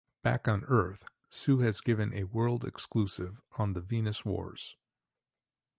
Back on Earth, Sue has given a world exclusive on the Venus Wars.